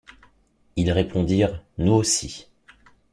Ils répondirent: — Nous aussi.